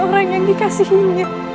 orang yang dikasihinya